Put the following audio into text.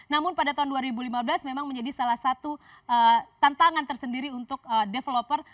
namun pada tahun dua ribu lima belas memang menjadi salah satu tantangan tersendiri untuk developer